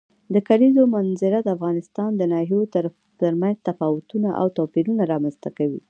د کلیزو منظره د افغانستان د ناحیو ترمنځ تفاوتونه او توپیرونه رامنځ ته کوي.